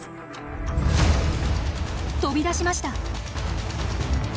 飛び出しました！